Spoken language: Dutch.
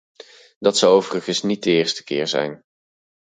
Dat zou overigens niet de eerste keer zijn.